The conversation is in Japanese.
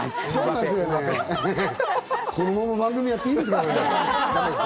このまま番組やっていいですか？